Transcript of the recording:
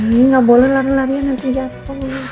nih nggak boleh lari larian nanti jatuh